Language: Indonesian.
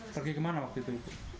pergi ke mana waktu itu